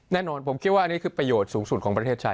แน่นอนผมคิดว่าอันนี้คือประโยชน์สูงสุดของประเทศไทย